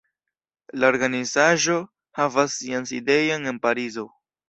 La organizaĵo havas sian sidejon en Parizo.